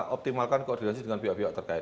optimalkan koordinasi dengan pihak pihak terkait